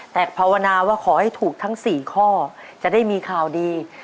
แต่ภาวนาว่าขอให้ถูกทั้ง๔ข้อจะได้มีข่าวดี